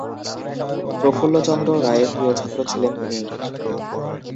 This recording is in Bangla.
প্রফুল্লচন্দ্র রায়ের প্রিয় ছাত্র ছিলেন তিনি।